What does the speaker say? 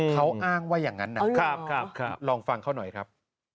เขาอ้างว่าอย่างนั้นนะครับลองฟังเขาหน่อยครับ